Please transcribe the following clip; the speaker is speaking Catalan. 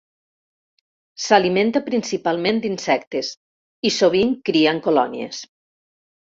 S'alimenta principalment d'insectes i sovint cria en colònies.